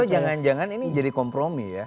oh jangan jangan ini jadi kompromi ya